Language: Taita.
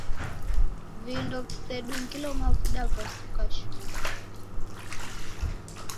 Vindo visedungilo mavuda vasuka shuu.